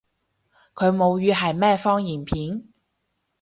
佢母語係咩方言片？